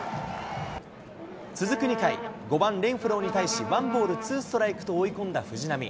続く２回、５番レンフローに対し、ワンボールツーストライクと追い込んだ藤浪。